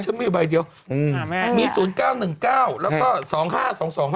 ฉันมีใบเดียวมี๐๙๑๙แล้วก็๒๕๒๒๕๕น่ะ